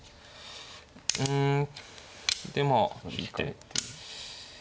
うんでまあ引いて。